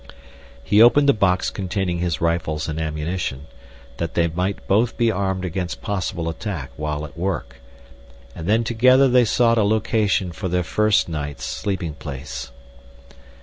He opened the box containing his rifles and ammunition, that they might both be armed against possible attack while at work, and then together they sought a location for their first night's sleeping place.